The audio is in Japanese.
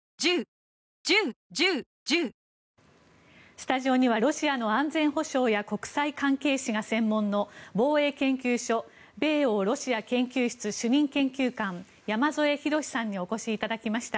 スタジオには、ロシアの安全保障や国際関係史が専門の防衛研究所米欧ロシア研究室主任研究官、山添博史さんにお越しいただきました。